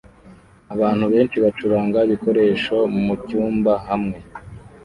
Abantu benshi bacuranga ibikoresho mucyumba hamwe